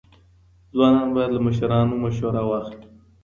ځوانان باید له مشرانو مسوره واخلي.